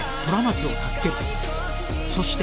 そして